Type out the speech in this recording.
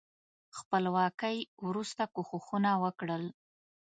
خپلواکۍ وروسته کوښښونه وکړل.